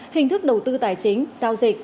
hình thức đầu tư tài chính giao dịch